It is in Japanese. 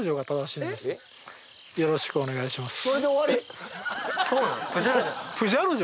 よろしくお願いします